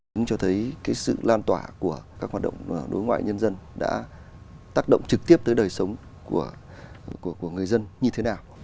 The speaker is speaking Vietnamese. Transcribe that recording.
cũng cho thấy cái sự lan tỏa của các hoạt động đối ngoại nhân dân đã tác động trực tiếp tới đời sống của người dân như thế nào